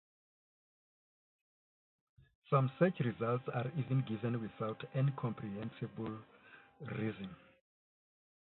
Some search results are even given without any comprehensible reason.